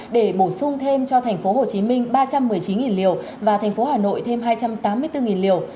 để bổ sung thêm cho tp hcm ba trăm một mươi chín liều và tp hcm thêm hai trăm tám mươi bốn liều